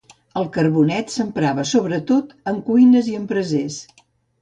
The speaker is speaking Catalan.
El carbonet s'emprava sobretot en cuines i en brasers.